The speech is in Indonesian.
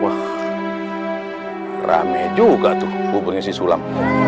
wah rame juga tuh buburnya si sulam